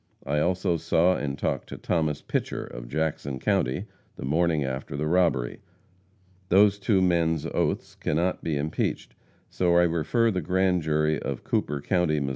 I also saw and talked to Thomas Pitcher, of Jackson county, the morning after the robbery. Those two men's oaths cannot be impeached, so I refer the grand jury of Cooper county, Mo.